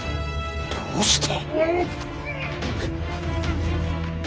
どうして。